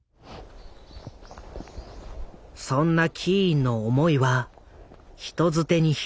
そんなキーンの思いは人づてに広まっていた。